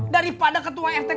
daripada ketua rt dua